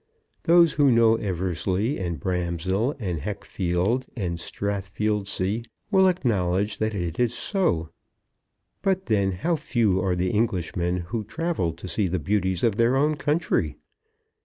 Those who know Eversley and Bramshill and Heckfield and Strathfieldsaye will acknowledge that it is so. But then how few are the Englishmen who travel to see the beauties of their own country!